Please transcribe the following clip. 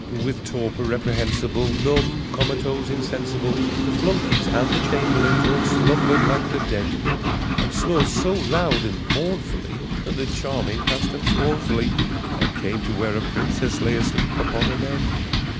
_] With torpor reprehensible, Numb, comatose, insensible, The flunkeys and the chamberlains all slumbered like the dead, And snored so loud and mournfully, That Charming passed them scornfully And came to where a princess lay asleep upon a bed.